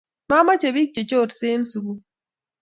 Mamache pik che chorese en sukul